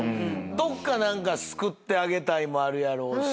どっか救ってあげたいもあるやろうし。